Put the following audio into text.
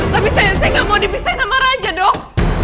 tapi saya gak mau dipisahin sama raja dong